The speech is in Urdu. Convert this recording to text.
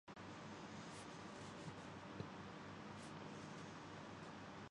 حالانکہ ان میں چھلنی کوئی نہیں، سب چھاج ہی ہیں۔